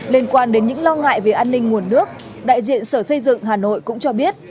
liên quan đến những lo ngại về an ninh nguồn nước đại diện sở xây dựng hà nội cũng cho biết